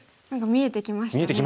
見えてきましたね。